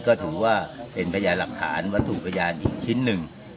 ก็ถือว่าเป็นพยานหลักฐานวัตถุพยานอีกชิ้นหนึ่ง